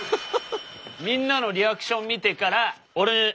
みんなのリアクション見てから俺見ますよ。